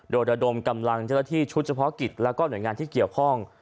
โดยระดมกำลังเจ้าหน้าที่ชุดเฉพาะกิจแล้วก็หน่วยงานที่เกี่ยวข้อง